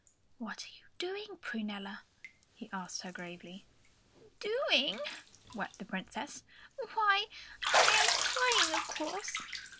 "What are you doing, Prunella?" he asked her gravely. "Doing!" wept the Princess. "Why, I am crying, of course!